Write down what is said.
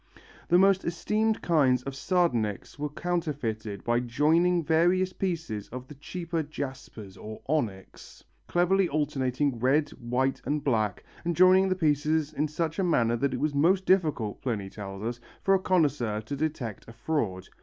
The most esteemed kinds of sardonyx were counterfeited by joining various pieces of the cheaper jaspers or onyx, cleverly alternating red, white and black, and joining the pieces in such a manner that it was most difficult, Pliny tells us, for a connoisseur to detect a fraud.